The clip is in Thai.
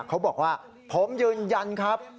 เขาบอกว่าผมยืนยันครับ